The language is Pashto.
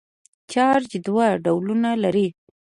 چارج دوه ډولونه لري.